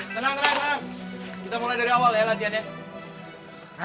tenang tenang tenang kita mulai dari awal ya latiannya